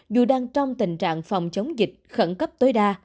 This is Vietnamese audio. dù đang trong tình trạng phòng chống dịch khẩn cấp tối đa